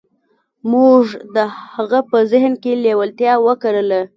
موږ د هغه په ذهن کې لېوالتیا وکرله.